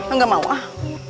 enggak mau ah